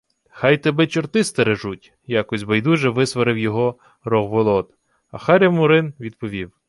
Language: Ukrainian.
— Хай тебе чорти стережуть, — якось байдуже висварив його Рогволод, а Харя Мурин відповів: